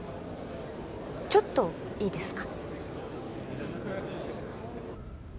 ちょっといいですか？